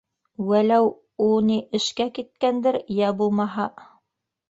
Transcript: Вәләү... у ни эшкә киткәндер, йә бумаһа...